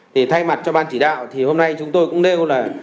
thay mặt cho ban chỉ đạo hôm nay chúng tôi cũng nêu là